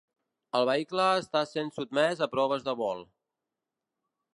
El vehicle està sent sotmès a proves de vol.